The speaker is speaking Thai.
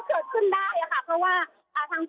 เพราะที่ดิฉันดินต้องมีการประกาศขารเวลาขยายเสียงเป็นระยะนะคะ